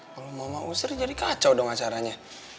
kalau mama usir jadi kacau dong acaranya